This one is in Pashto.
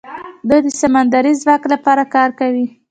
دوی د سمندري ځواک لپاره کار کوي.